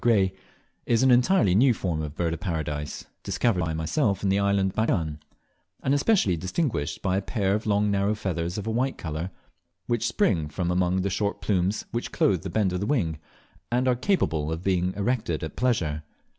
Gray, is an entirely new form of Bird of Paradise, discovered by myself in the island of Batchian, and especially distinguished by a pair of long narrow feathers of a white colour, which spring from among the short plumes which clothe the bend of the wing, and are capable of being erected at pleasure.